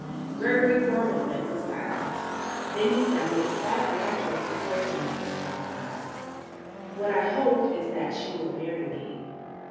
Gregory for a moment was silent. Then he found it quite natural to say to Mrs. Talcott: "What I hope is that she will marry me."